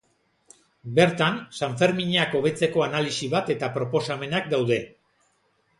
Bertan, sanferminak hobetzeko analisi bat eta proposamenak daude.